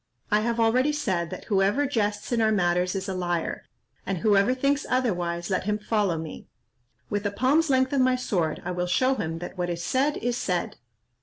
I have already said, that whoever jests in our matters is a liar: and whoever thinks otherwise, let him follow me; with a palm's length of my sword I will show him that what is said is said."